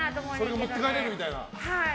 それを持って帰れるみたいな。